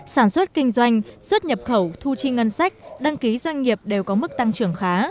sản xuất kinh doanh xuất nhập khẩu thu chi ngân sách đăng ký doanh nghiệp đều có mức tăng trưởng khá